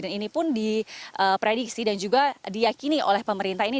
dan ini pun diprediksi dan juga diyakini oleh pemerintah ini